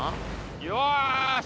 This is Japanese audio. ・よし！